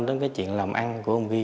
đến cái chuyện làm ăn của ông vi